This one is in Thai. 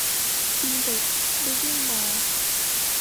อินเด็กซ์ ลิฟวิ่งมอลล์